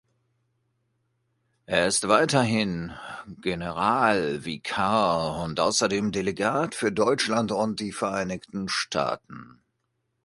Er ist weiterhin Generalvikar und außerdem Delegat für Deutschland und die Vereinigten Staaten.